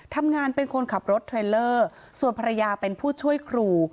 ทำงานเป็นคนขับรถเทรลเลอร์ส่วนภรรยาเป็นผู้ช่วยครู